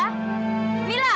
kamu gak usah lagi